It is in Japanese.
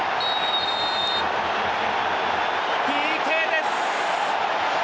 ＰＫです。